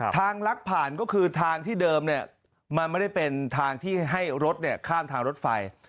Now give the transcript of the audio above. ทางลักผ่านก็คือทางที่เดิมมันไม่ได้เป็นทางที่ให้รถข้ามทางรถไฟ